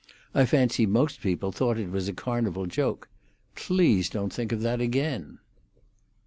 I fancy most people thought it was a Carnival joke. Please don't think of that again."